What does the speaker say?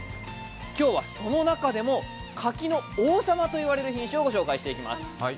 今日はその中でも柿の王様といわれる品種をご紹介していきます。